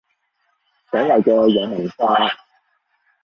所謂嘅有文化